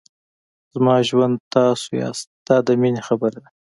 زما ژوند تاسو یاست دا د مینې خبره ده.